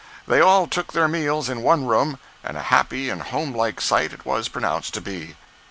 They all took their meals in one room, and a happy and home like sight it was pronounced to be.